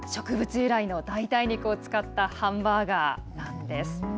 由来の代替肉を使ったハンバーガーなんです。